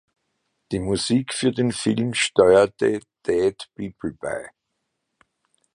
Die Musik für den Film steuerte Dead People bei.